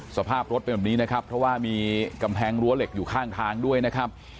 สภาพรถเป็นแบบนี้นะครับเพราะว่ามีกำแพงรั้วเหล็กอยู่ข้างทางด้วยนะครับ